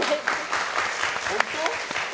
本当？